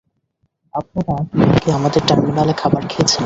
আপনারা কি আগে আমাদের টার্মিনালে খাবার খেয়েছেন?